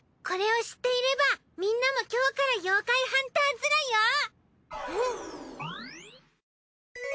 これを知っていればみんなも今日から妖怪ハンターズラよ！